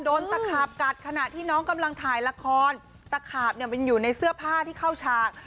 ตะขาบกัดขณะที่น้องกำลังถ่ายละครตะขาบเนี่ยมันอยู่ในเสื้อผ้าที่เข้าฉาก